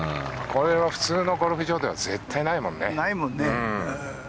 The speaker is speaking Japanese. これは普通のゴルフ場では絶対ないもんね。